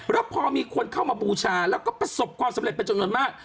แล้วพอมีคนเข้ามาบูชาแล้วก็ประสบความสำเร็จเป็นจำนวนมาก